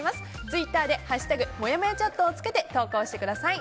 ツイッターで「＃もやもやチャット」をつけて投稿してください。